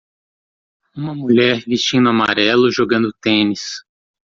uma mulher vestindo amarelo jogando tênis